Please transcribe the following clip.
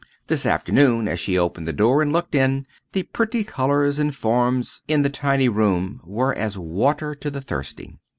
This afternoon as she opened the door and looked in, the pretty colours and forms in the tiny room were as water to the thirsty.